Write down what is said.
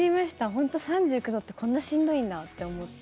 本当に３９度ってこんなにしんどいんだと思って。